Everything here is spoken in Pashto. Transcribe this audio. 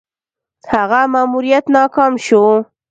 هغه ماموریت ناکام شو.